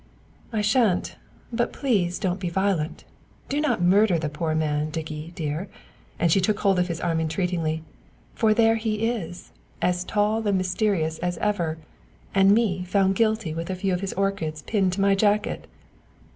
"I shan't, but please don't be violent! Do not murder the poor man, Dickie, dear," and she took hold of his arm entreatingly "for there he is as tall and mysterious as ever and me found guilty with a few of his orchids pinned to my jacket!"